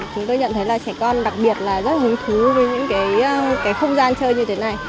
chúng tôi nhận thấy là trẻ con đặc biệt là rất hứng thú với những cái không gian chơi như thế này